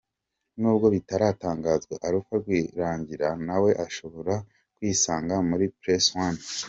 N'ubwo bitaratangazwa, Alpha Rwirangira nawe ashobora kwisanga muri Press One.